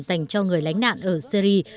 dành cho người lánh nạn ở syri